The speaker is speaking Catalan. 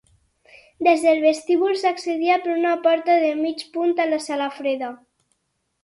Des del vestíbul s'accedia per una porta de mig punt a la sala freda.